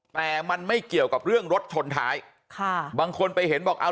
แต่มันไม่เกี่ยวกับเรื่องรถชนท้ายค่ะบางคนไปเห็นบอกเอา